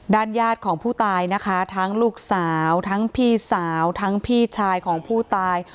ญาติของผู้ตายนะคะทั้งลูกสาวทั้งพี่สาวทั้งพี่ชายของผู้ตาย